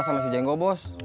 saya masih jenggo bos